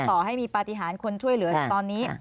ต่อให้มีปฏิหารคนช่วยเหลือตอนนี้